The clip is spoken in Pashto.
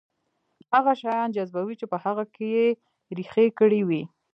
هغه شيان جذبوي چې په هغه کې يې رېښې کړې وي.